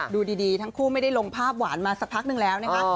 ดูดีทั้งคู่ไม่ได้ลงภาพหวานมาสักพักนึงแล้วนะคะ